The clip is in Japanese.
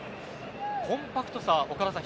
コンパクトさ、岡田さん